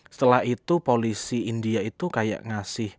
setelah itu polisi india itu kayak ngasih